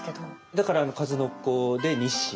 だから数の子でニシン。